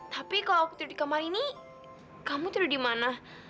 tapi kalau aku tidur di kamar ini kamu tidur di mana